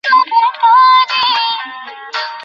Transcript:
এর ফলে বেশ কিছু হরতাল সমর্থক আহত হয়েছেন।